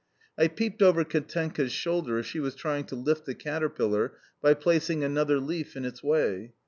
I peeped over Katenka's shoulder as she was trying to lift the caterpillar by placing another leaf in its way.